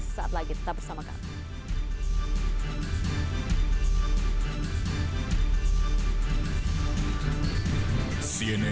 sesaat lagi tetap bersama kami